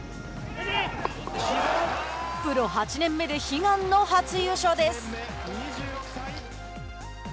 プロ８年目で悲願の初優勝です。